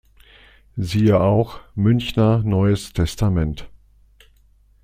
Siehe auch: Münchner Neues Testament